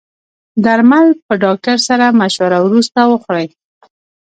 درمل په ډاکټر سره مشوره وروسته وخورئ.